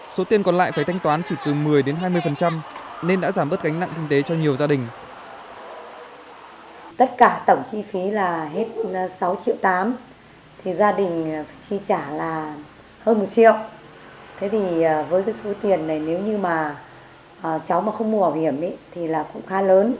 số tiền còn lại phải thanh toán chỉ từ một mươi đến hai mươi nên đã giảm bớt gánh nặng kinh tế cho nhiều gia đình